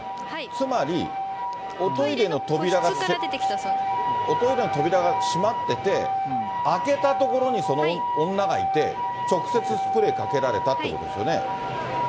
つまり、おトイレの扉が閉まってて、開けたところにその女がいて、直接スプレーかけられたということですよね。